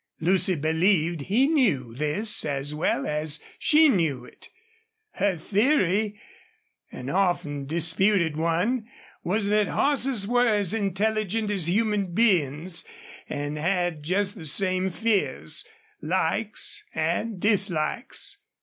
Lucy believed he knew this as well as she knew it. Her theory, an often disputed one, was that horses were as intelligent as human beings and had just the same fears, likes, and dislikes.